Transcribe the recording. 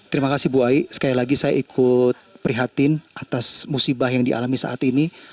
terima kasih bu ai sekali lagi saya ikut prihatin atas musibah yang dialami saat ini